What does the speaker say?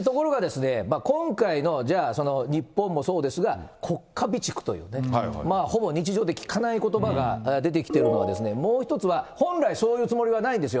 今回の日本もそうですが、国家備蓄というね、ほぼ日常で聞かないことばが出てきてるのは、もう一つは、本来そういうつもりはないんですよ。